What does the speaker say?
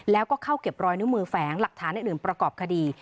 แล้วก็เข้าเก็บรอยนิ้วมือแฝงหลักฐานอื่นประกอบคดี